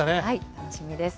楽しみです。